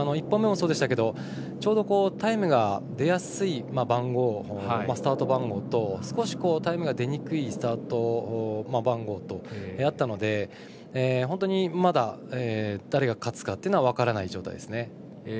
１本目もそうでしたけどちょうどタイムが出やすいスタート番号と少し、タイムが出にくいスタート番号とあったので本当にまだ誰が勝つかというのは分からない状態ですね。